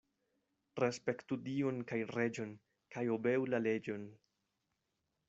Respektu Dion kaj reĝon kaj obeu la leĝon.